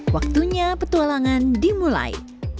waktunya petualangan dimulai